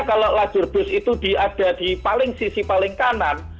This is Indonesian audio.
kalau lajur bus itu ada di paling sisi paling kanan